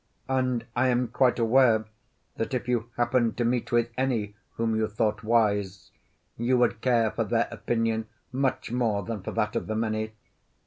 And I am quite aware that if you happened to meet with any whom you thought wise, you would care for their opinion much more than for that of the many.